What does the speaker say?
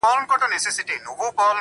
لمرمخی يار چي ټوله ورځ د ټولو مخ کي اوسي